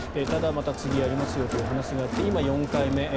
ただ、また次やりますよという話があって今４回目。